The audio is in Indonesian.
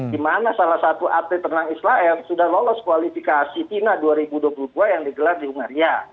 di mana salah satu atlet tenang israel sudah lolos kualifikasi tina dua ribu dua puluh dua yang digelar di hungaria